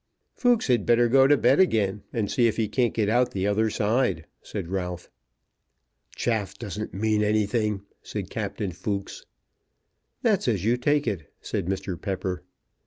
"Fooks had better go to bed again, and see if he can't get out the other side," said Ralph. "Chaff doesn't mean anything," said Captain Fooks. "That's as you take it," said Mr. Pepper.